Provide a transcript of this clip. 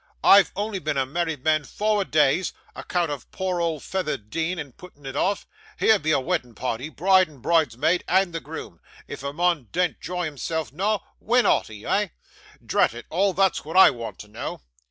I've only been a married man fower days, 'account of poor old feyther deein, and puttin' it off. Here be a weddin' party broide and broide's maid, and the groom if a mun dean't 'joy himsel noo, when ought he, hey? Drat it all, thot's what I want to know.